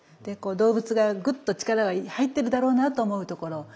でこう動物がグッと力が入ってるだろうなと思うところ。